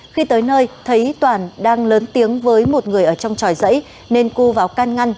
khi tới nơi thấy toàn đang lớn tiếng với một người ở trong tròi dãy nên cưu vào can ngăn